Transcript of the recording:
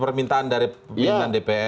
permintaan dari pimpinan dpr